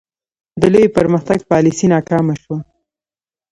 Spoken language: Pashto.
د لوی پرمختګ پالیسي ناکامه شوه.